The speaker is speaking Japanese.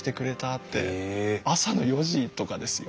朝の４時とかですよ。